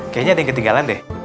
kayaknya ada yang ketinggalan deh